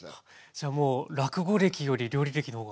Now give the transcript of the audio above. じゃもう落語歴より料理歴の方が。